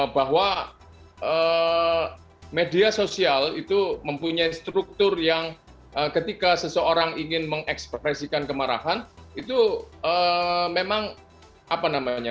bahwa media sosial itu mempunyai struktur yang ketika seseorang ingin mengekspresikan kemarahan itu memang apa namanya